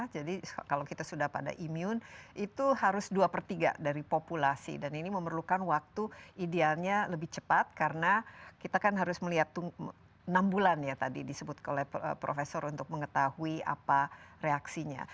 jadi kalau kita sudah pada imun itu harus dua per tiga dari populasi dan ini memerlukan waktu idealnya lebih cepat karena kita kan harus melihat enam bulan ya tadi disebut oleh profesor untuk mengetahui apa reaksinya